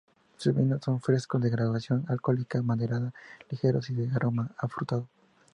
Sus vinos son frescos, de graduación alcohólica moderada, ligeros y de aroma afrutado.